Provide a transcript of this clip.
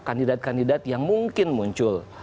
kandidat kandidat yang mungkin muncul